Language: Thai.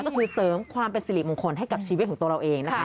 ก็คือเสริมความเป็นสิริมงคลให้กับชีวิตของตัวเราเองนะคะ